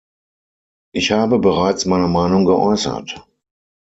Ich habe bereits meine Meinung geäußert.